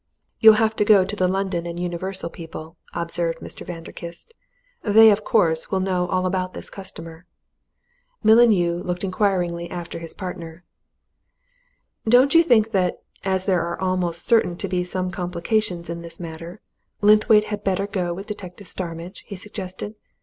"You'll have to go to the London & Universal people," observed Mr. Vanderkiste. "They, of course, will know all about this customer." Mullineau looked inquiringly at his partner. "Don't you think that as there are almost certain to be some complications about this matter Linthwaite had better go with Detective Starmidge?" he suggested.